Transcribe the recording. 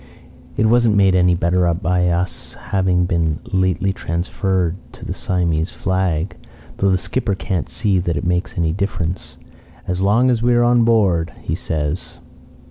It wasn't made any better by us having been lately transferred to the Siamese flag; though the skipper can't see that it makes any difference 'as long as we are on board' he says.